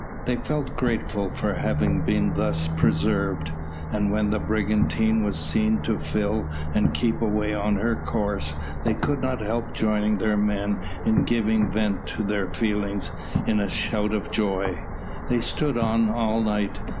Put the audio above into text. They felt grateful for having been thus preserved, and when the brigantine was seen to fill and keep away on her course, they could not help joining their men in giving vent to their feelings in a shout of joy. They stood on all night.